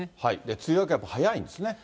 梅雨明けはやっぱり早いんですね。